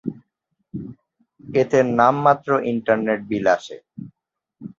এতে নামমাত্র internet bill আসে।